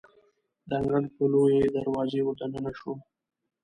د انګړ په لویې دروازې وردننه شوو.